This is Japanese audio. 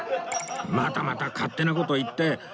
またまた勝手な事言って